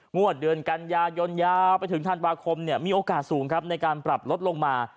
งวดเดือนกันยายนยาวไปถึงธันวาคมมีโอกาสสูงครับในการปรับลดลงมา